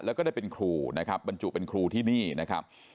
แล้วก็ได้เป็นครูนะครับบรรจุเป็นครูที่นี่นะครับ